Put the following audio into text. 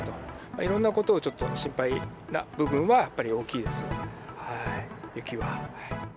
いろんなことでちょっと心配な部分はやっぱり大きいです。